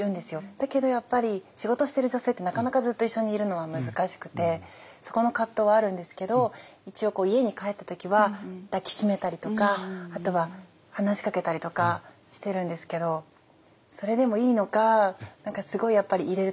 だけどやっぱり仕事してる女性ってなかなかずっと一緒にいるのは難しくてそこの葛藤はあるんですけど一応家に帰った時は抱き締めたりとかあとは話しかけたりとかしてるんですけどそれでもいいのか何かすごいやっぱり入れる時は迷いました。